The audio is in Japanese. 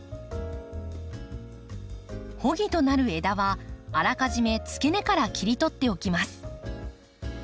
穂木となる枝はあらかじめ付け根から切り取っておきます。